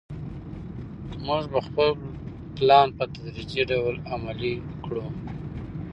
موږ به خپل پلان په تدریجي ډول عملي کړو.